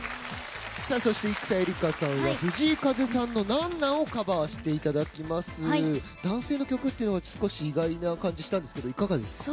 生田絵梨花さんは藤井風さんの「何なんｗ」をカバーしていただきますが男性の曲というのは少し意外な感じしたんですけど